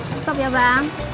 cukup ya bang